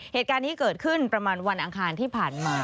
เหตุการณ์นี้เกิดขึ้นประมาณวันอังคารที่ผ่านมา